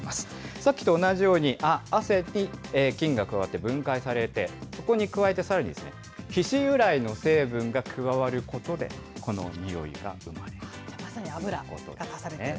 さっきと同じように、汗に菌が加わって分解されて、そこに加えて、さらに皮脂由来の成分が加わることで、このにおいが生まれると。